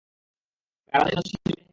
কারা যেন ছিলে?